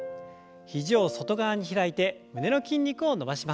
肘を外側に開いて胸の筋肉を伸ばします。